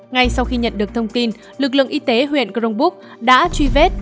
ngay sau khi nhận được thông tin lực lượng y tế huyện cronbúc đã truy vết